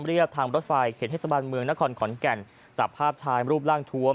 เรียกทางรถไฟเขตเทศบาลเมืองนครขอนแก่นจับภาพชายรูปร่างทวม